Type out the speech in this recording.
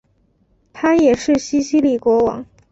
他也是西西里国王。